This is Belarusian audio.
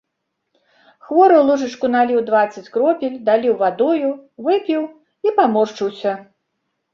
Хворы ў лыжачку налічыў дваццаць кропель, даліў вадою, выпіў і паморшчыўся.